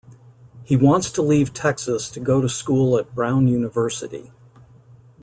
He wants to leave Texas to go to school at Brown University.